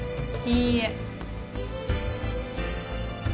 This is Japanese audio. いいえ。